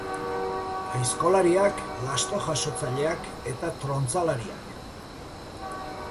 Aizkolariak, lasto-jasotzaileak eta trontzalariak.